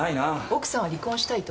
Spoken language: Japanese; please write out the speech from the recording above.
奥さんは離婚したいと？